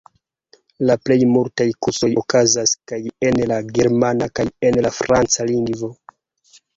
La plej multaj kursoj okazas kaj en la germana kaj en la franca lingvo.